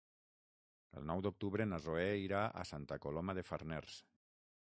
El nou d'octubre na Zoè irà a Santa Coloma de Farners.